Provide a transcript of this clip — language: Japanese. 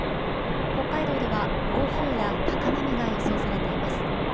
北海道では暴風や高波が予想されています。